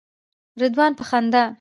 رضوان په خندا.